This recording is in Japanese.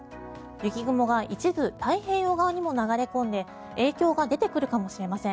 雪雲が一部、太平洋側にも流れ込んで影響が出てくるかもしれません。